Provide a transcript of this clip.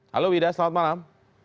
halo wida selamat malam